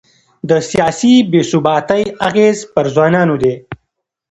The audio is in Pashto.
د سیاسي بې ثباتۍ اغېز پر ځوانانو دی.